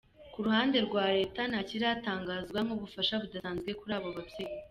Ku ruhande rwa Leta ntakiratangazwa nk’ubufasha budasanzwe kuri abo babyeyi.